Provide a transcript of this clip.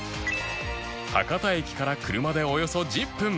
博多駅から車でおよそ１０分